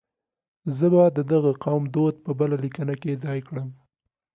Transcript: زه به د دغه قوم دود په بله لیکنه کې ځای کړم.